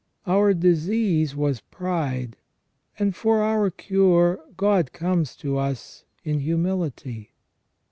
Our disease was pride, and for our cure God comes to us in humility.